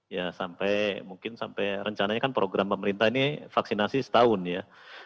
ya sampai mungkin sampai rencananya kan program pemerintah ini vaksinasi setahun ya